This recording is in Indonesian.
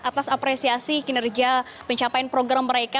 atas apresiasi kinerja pencapaian program mereka